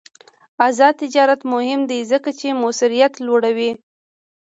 آزاد تجارت مهم دی ځکه چې موثریت لوړوي.